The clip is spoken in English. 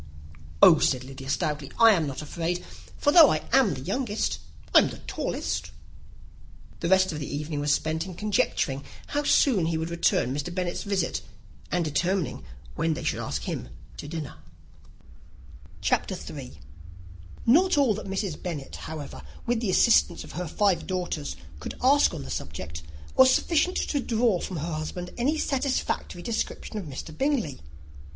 "Oh," said Lydia, stoutly, "I am not afraid; for though I am the youngest, I'm the tallest." The rest of the evening was spent in conjecturing how soon he would return Mr. Bennet's visit, and determining when they should ask him to dinner. [Illustration: "I'm the tallest"] [Illustration: "He rode a black horse" ] CHAPTER III. Not all that Mrs. Bennet, however, with the assistance of her five daughters, could ask on the subject, was sufficient to draw from her husband any satisfactory description of Mr. Bingley.